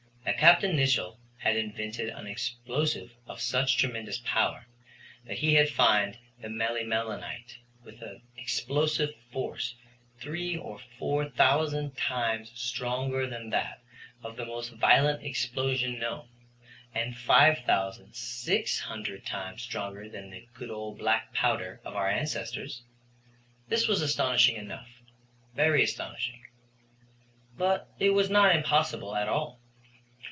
That Capt. Nicholl had invented an explosive of such tremendous power, that he had found the melimelonite, with an expansive force three or four thousand times stronger than that of the most violent explosive known, and 5,600 times stronger than the good old black gunpowder of our ancestors, this was astonishing enough very astonishing. But it was not impossible at all.